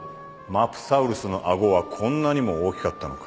マプサウルスの顎はこんなにも大きかったのか」